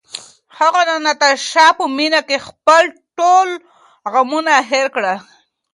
هغه د ناتاشا په مینه کې خپل ټول غمونه هېر کړل.